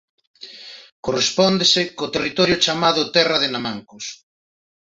Correspóndese co territorio chamado Terra de Nemancos.